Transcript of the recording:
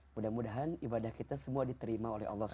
mudah mudahan ibadah kita semua diterima oleh allah sw